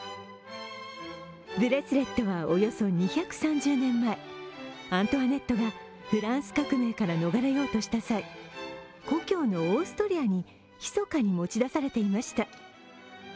ブレスレットはおよそ２３０年前、アントワネットがフランス革命から逃れようとした際故郷のオーストリアにひそかに持ち出されていました。